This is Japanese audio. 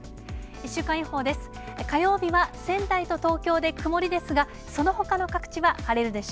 週間予報です。